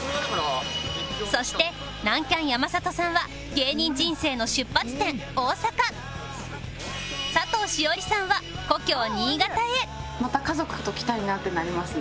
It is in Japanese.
そして南キャン山里さんは芸人人生の出発点大阪佐藤栞里さんは故郷新潟へってなりますね。